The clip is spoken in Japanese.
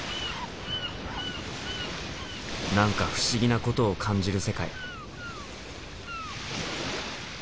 何か不思議なことを感じる世界。